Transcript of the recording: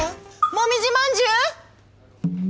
もみじまんじゅう？」